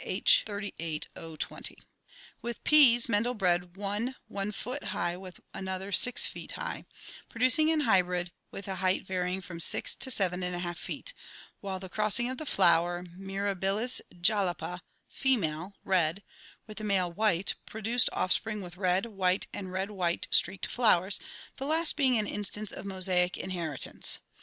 1 62 ORGANIC EVOLUTION With peas, Mendel bred one i foot high with another 6 feet high, producing an hybrid with a height varying from 6 to 7^ feet; while the crossing of the flower Mirabilis jalapa female (red) with the male (white) produced offspring with red, white, and red white streaked flowers, the last being an instance of mosaic inheri tance.